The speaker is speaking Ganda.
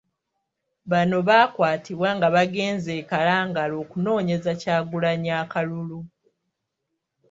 Bano baakwatibwa nga bagenze e Kalangala okunoonyeza Kyagulanyi akalulu.